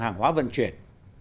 hàng hóa vận chuyển